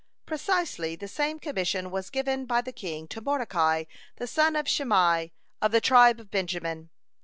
Precisely the same commission was given by the king to Mordecai, the son of Shimei of the tribe of Benjamin.